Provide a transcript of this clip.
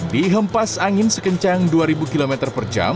dihempas angin sekencang dua ribu km per jam